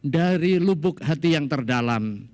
dari lubuk hati yang terdalam